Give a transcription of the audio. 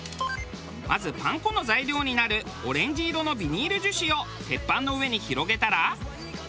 まずパン粉の材料になるオレンジ色のビニール樹脂を鉄板の上に広げたら。